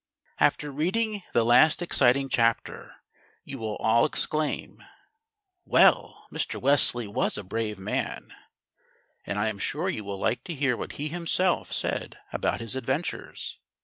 AFTER reading the last exciting chapter, you will all exclaim, "Well, Mr. Wesley was a brave man!" and I am sure you will like to hear what he himself said about his adventures.